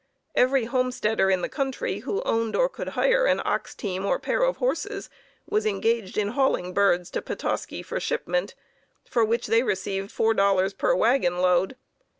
Every homesteader in the country who owned or could hire an ox team or pair of horses, was engaged in hauling birds to Petoskey for shipment, for which they received $4 per wagon load.